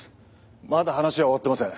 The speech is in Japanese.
まだ話は終わってません。